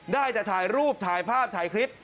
ได้แต่ถ่ายรูปถ่ายภาพถ่ายคลิป